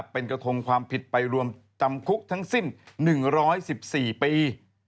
เป็นกระทงความผิดไปรวมจำคุกทั้งสิ้น๑๑๔ปี